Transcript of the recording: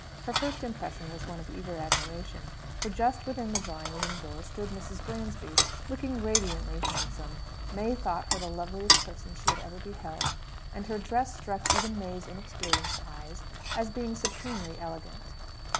Her first impression was one of eager admiration; for just within the drawing room door stood Mrs. Bransby, looking radiantly handsome. May thought her the loveliest person she had ever beheld; and her dress struck even May's inexperienced eyes as being supremely elegant.